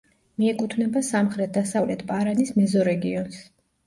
მიეკუთვნება სამხრეთ-დასავლეთ პარანის მეზორეგიონს.